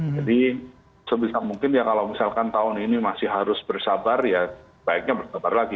jadi sebisa mungkin ya kalau misalkan tahun ini masih harus bersabar ya baiknya bersabar lagi